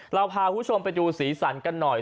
เราพาคุณผู้ชมไปดูสีสันกันหน่อย